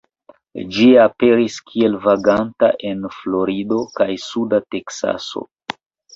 Ĝi aperis kiel vaganta en Florido kaj suda Teksaso.